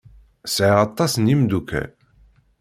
Sɛiɣ aṭas n yimeddukal.